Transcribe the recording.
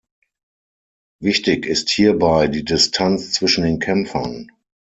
Wichtig ist hierbei die Distanz zwischen den Kämpfern.